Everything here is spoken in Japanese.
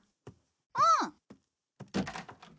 うん。